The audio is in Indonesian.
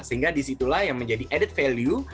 sehingga disitulah yang menjadi added value